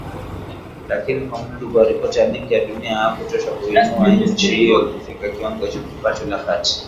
Lakini, kwa mujibu wa ripoti ya Benki ya Dunia, hayakutosha kuiinua nchi hiyo kufikia kiwango cha kipato la kati.